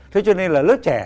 thế cho nên là lớp trẻ